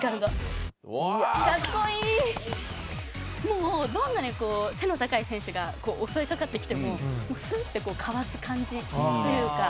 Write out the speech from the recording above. もうどんなに背の高い選手が襲いかかってきてもスッてこうかわす感じというか。